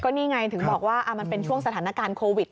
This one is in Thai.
นี่ไงถึงบอกว่ามันเป็นช่วงสถานการณ์โควิด